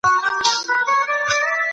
کتابتوني څېړنه به ژر بشپړه سي.